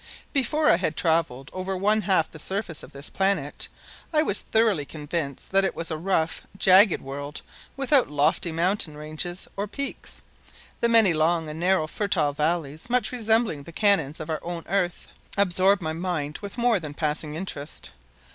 Before I had traveled over one half the surface of this planet I was thoroughly convinced that it was a rough, jagged world without lofty mountain ranges or peaks. The many long and narrow fertile valleys, much resembling the canons of our own Earth, absorbed my mind with more than passing interest.